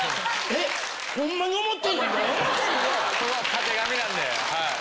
たてがみなんではい。